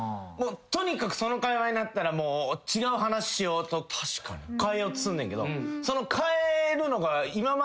とにかくその会話になったら違う話しようと変えようとすんねんけど。